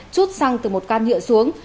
chút xăng từ một can nhựa xuống